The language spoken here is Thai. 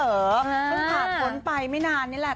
เพิ่งผ่านพ้นไปไม่นานนี่แหละ